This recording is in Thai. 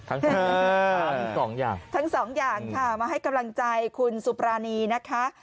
ทั้งสองอย่างทั้งสองอย่างค่ะมาให้กำลังใจคุณสุปรานีนะคะ